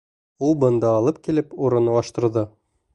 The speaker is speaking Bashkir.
Ул бында алып килеп урынлаштырҙы.